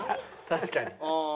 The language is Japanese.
確かに。